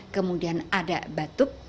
kemudian ada batuk